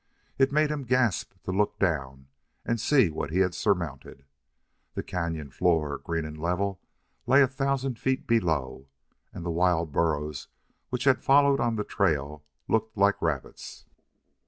It made him gasp to look down and see what he had surmounted. The cañon floor, green and level, lay a thousand feet below; and the wild burros which had followed on the trail looked like rabbits.